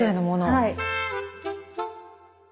はい。